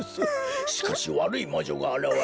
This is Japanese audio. しかしわるいまじょがあらわれ